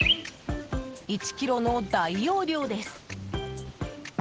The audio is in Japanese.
１ｋｇの大容量です。